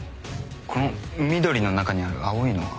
この緑の中にある青いのは？